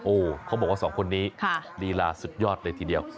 โอ้โหเขาบอกว่าสองคนนี้ลีลาสุดยอดเลยทีเดียว